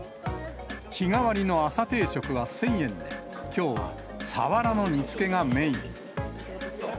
日替わりの朝定食は１０００円で、きょうはサワラの煮つけがメイン。